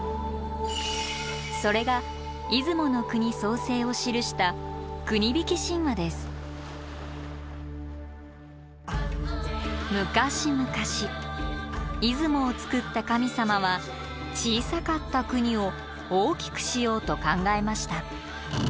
それが出雲の国創生を記した昔々出雲を造った神様は小さかった国を大きくしようと考えました。